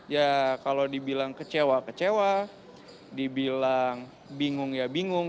ya kalau dibilang kecewa kecewa dibilang bingung ya bingung